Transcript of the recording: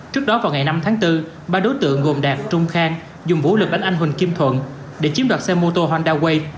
trước đó vào ngày năm tháng bốn ba đối tượng gồm đạt trung khang dùng vũ lực đánh anh huỳnh kim thuận để chiếm đoạt xe mô tô honda way